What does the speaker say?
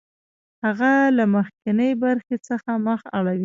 هغه له مخکینۍ برخې څخه مخ اړوي